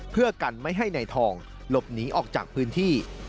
เพื่อกันไม่ให้นายทองหลบหนีออกจากพื้นที่